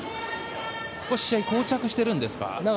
少し試合はこう着しているんですか。